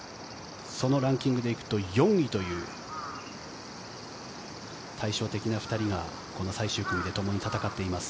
そのランキングで行くと４位という対照的な２人がこの最終組でともに戦っています。